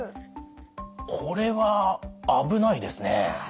これは危ないですね。